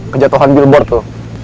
kejatuhan billboard lo